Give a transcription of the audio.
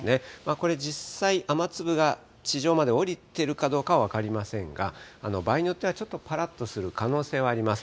これ、実際、雨粒が地上まで降りてるかどうかは分かりませんが、場合によってはちょっとぱらっとする可能性はあります。